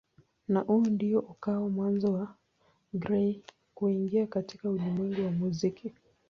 Na huu ndio ukawa mwanzo wa Carey kuingia katika ulimwengu wa muziki.